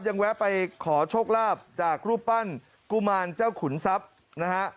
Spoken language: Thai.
แวะไปขอโชคลาภจากรูปปั้นกุมารเจ้าขุนทรัพย์นะฮะ